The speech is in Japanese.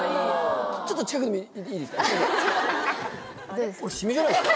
ちょっと近くで見ていいですか？